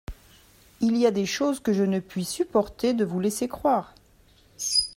Il y a des choses que je ne puis supporter de vous laisser croire.